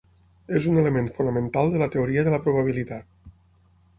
És un element fonamental de la teoria de la probabilitat.